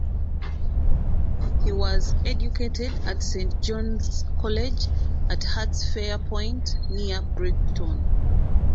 He was educated at Saint John's College at Hurstpierpoint near Brighton.